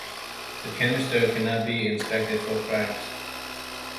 The canisters cannot be inspected for cracks.